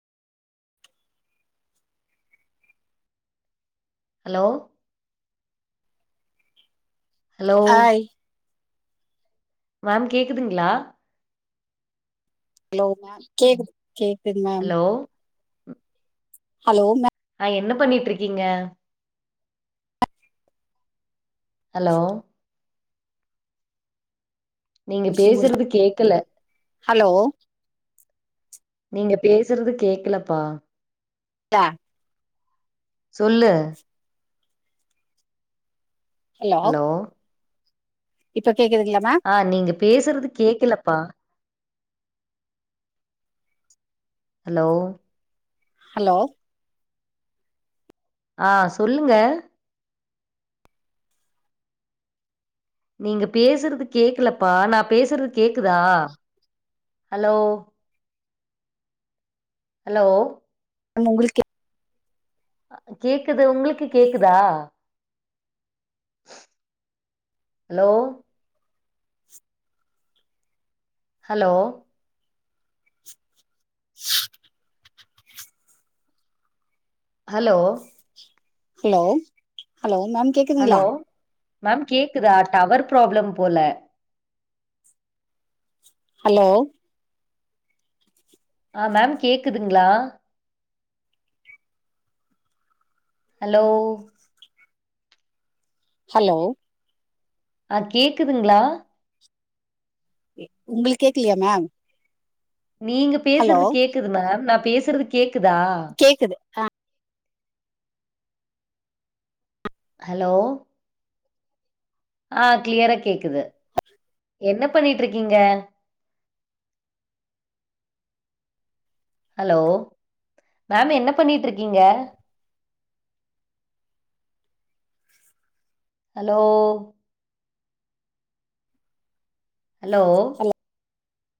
hello hello hi ma'am கேக்குதுங்ளா hello ma'am கேக்குது கேக்குது மேம் ஹலோ ஹலோ ம ஆ என்ன பண்ணிட்ருக்கீங்க ஹலோ நீங்க முடிச்சு முடிச்சு பேசுறது கேக்கல ஹலோ நீங்க பேசுறது கேக்கலப்பா லா சொல்லு ஹலோ இப்ப கேக்குதுங்க்ளா‌ மேம் ஆ நீங்க பேசுறது கேக்கலப்பா ஹலோ ஹலோ ஆ சொல்லுங்க நீங்க பேசுறது கேக்கலப்பா நா பேசுறது கேக்குதா ஹலோ ஹலோ ன்னா உங்களிக் கே கேக்குது உங்க்ளுக்கு கேக்குதா hello hello hello hello hello ma'am கே ஹலோ மேம் கேக்குதா டவர் ப்ராப்ளம் போல ஹலோ ஆ மேம் கேக்குதுங்க்ளா ஹலோ ஹலோ ஆ கேக்குதுங்க்ளா இப் உங்க்ளுக்கு கேக்லையா மேம்‌ நீங்க பேசுறது கேக்குது மேம் நா பேசுறது கேக்குதா கேக்குதுங்ளா ஹலோ ஆ க்ளியரா கேக்குது என்ன பண்ணிட்டு இருக்கீங்க ஹலோ மேம் என்ன பண்ணிட்டு இருக்கீங்க ஹலோ ஹலோ அல்ல